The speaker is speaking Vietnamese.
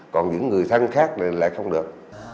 còn những người thân khác là không được